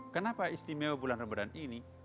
kenapa istimewa bulan ramadan ini